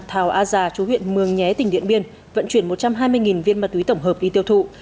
thảo a già chú huyện mường nhé tỉnh điện biên vận chuyển một trăm hai mươi viên ma túy tổng hợp đi tiêu thụ